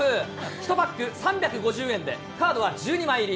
１パック３５０円で、カードは１２枚入り。